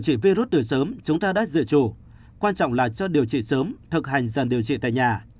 trị virus từ sớm chúng ta đã dựa chủ quan trọng là cho điều trị sớm thực hành dần điều trị tại nhà